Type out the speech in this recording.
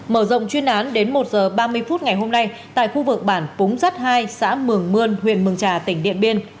mở rộng chuyên án đến một h ba mươi phút ngày hôm nay tại khu vực bản púng rắt hai xã mường mươn huyện mường trà tỉnh điện biên